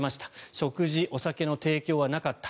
食事、お酒の提供はなかった。